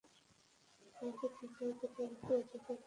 আমাদের হৃদয়ে প্রথম স্থান অধিকার করেছ।